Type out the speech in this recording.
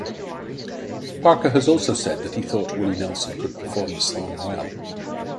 Parker has also said that he thought Willie Nelson could perform the song well.